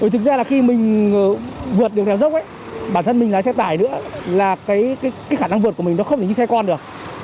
thực ra là khi mình vượt đường đèo dốc ấy bản thân mình lái xe tải nữa là cái khả năng vượt của mình nó không thể đi xe con được